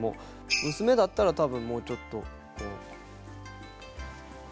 娘だったら多分もうちょっとこう。